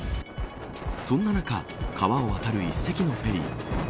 そんな中川を渡る１隻のフェリー。